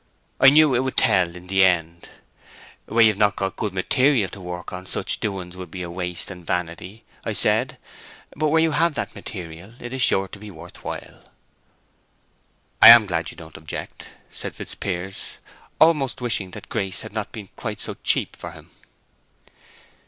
I knew it would tell in the end. 'Where you've not good material to work on, such doings would be waste and vanity,' I said. 'But where you have that material it is sure to be worth while.'" "I am glad you don't object," said Fitzpiers, almost wishing that Grace had not been quite so cheap for him.